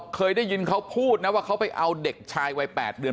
เคยได้ยินเขาพูดนะว่าเขาไปเอาเด็กชายวัย๘เดือน